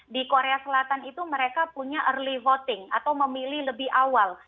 di korea selatan itu mereka punya early voting atau memilih lebih awal